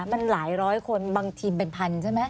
มันหลายร้อยคนบางทีมเป็นพันใช่ไหม